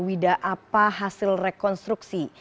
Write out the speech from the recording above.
wida apa hasil rekonstruksi